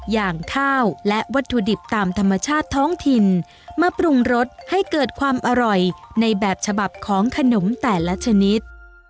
อย่างข้าวและวัตถุดิบตามธรรมชาติท้องถิ่นมาปรุงรสให้เกิดความอร่อยในแบบฉบับของขนมแต่ละชนิด